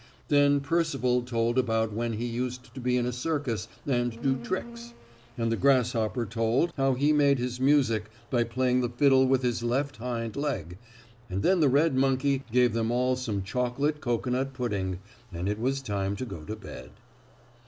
Then Percival told about when he used to be in a circus and do tricks, and the grasshopper told how he made his music by playing the fiddle with his left hind leg, and then the red monkey gave them all some chocolate cocoanut pudding and it was time to go to bed.